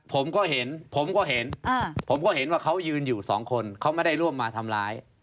ผมก็เห็นผมก็เห็นผมก็เห็นว่าเขายืนอยู่สองคนเขาไม่ได้ร่วมมาทำร้าย